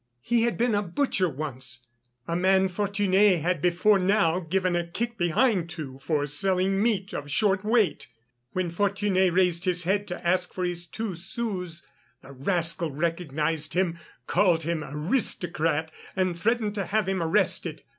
He had been a butcher once, a man Fortuné had before now given a kick behind to for selling meat of short weight. When Fortuné raised his head to ask for his two sous, the rascal recognized him, called him aristocrat, and threatened to have him arrested.